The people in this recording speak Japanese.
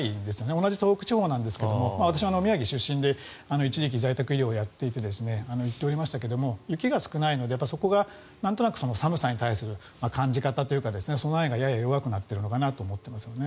同じ東北地方なんですが私、宮城出身で一時期、在宅医療をやっていて行っておりましたけれど雪が少ないのでそこがなんとなく寒さに対する感じ方というか備えがやや弱くなっているのかと思いますね。